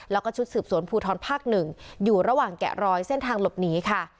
แล้วก็ชุดสืบสวนภูทรภาค๑อยู่ระหว่างแกะรอยเส้นทางหลบหนีค่ะ